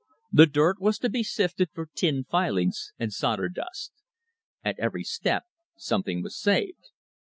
The dirt was to be sifted for tin filings and solder dust. At every step something was saved.